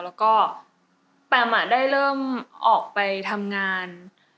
แล้วก็แปมได้เริ่มออกไปทำงาน